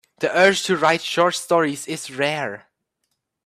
The urge to write short stories is rare.